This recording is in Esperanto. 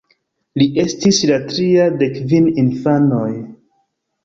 Li estis la tria de kvin infanoj.